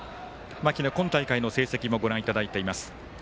間木の今大会の成績をご覧いただいています。